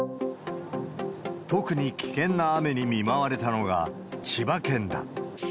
特に危険な雨に見舞われたのが千葉県だ。